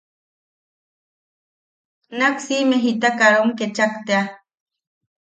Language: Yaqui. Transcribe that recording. Nak siime jita karom kechak tea.